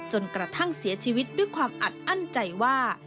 จนกระทั่งเสียชีวิตด้วยความอัดอั้นใจว่า